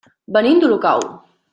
Venim d'Olocau.